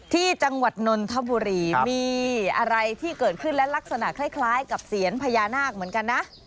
ที่จังหวัดนนทบุรีมีอะไรที่เกิดขึ้นและลักษณะคล้ายกับเสียญพญานาคเหมือนกันนะ